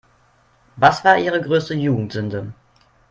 Was war Ihre größte Jugendsünde?